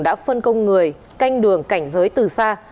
đã phân công người canh đường cảnh giới từ xa